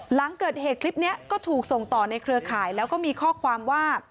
หลังเกิดเหตุคลิปนี้ก็ถูกส่งต่อในเครือข่ายแล้วก็มีข้อความว่า